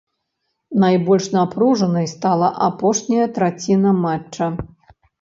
Найбольш напружанай стала апошняя траціна матча.